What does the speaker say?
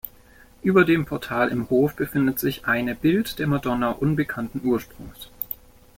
Über dem Portal im Hof befindet sich eine Bild der Madonna unbekannten Ursprungs.